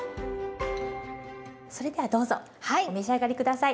それではどうぞお召し上がり下さい。